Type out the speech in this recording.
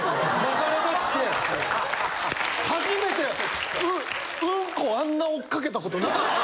初めてうんこをあんな追っかけたことなかった。